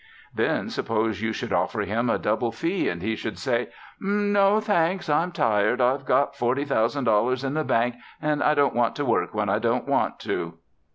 Then suppose you should offer him a double fee and he should say, 'No, thanks, I'm tired. I've got forty thousand dollars in the bank and I don't have to work when I don't want to.'